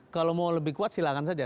kalau mau lebih kuat silahkan saja